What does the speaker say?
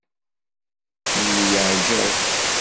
Nemyeɛjab.